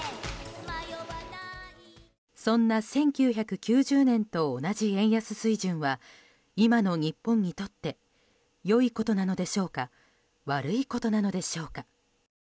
そんな１９９０年と同じ円安水準は今の日本にとって良いことなのでしょうか悪いことなのでしょうか。